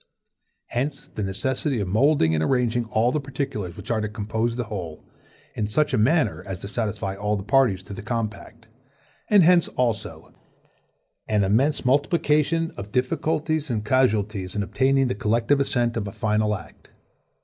Hence the necessity of moulding and arranging all the particulars which are to compose the whole, in such a manner as to satisfy all the parties to the compact; and hence, also, an immense multiplication of difficulties and casualties in obtaining the collective assent to a final act.